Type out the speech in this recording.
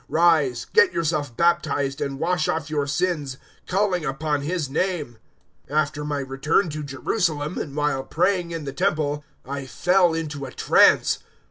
Rise, get yourself baptized, and wash off your sins, calling upon His name.' 022:017 "After my return to Jerusalem, and while praying in the Temple, I fell into a trance.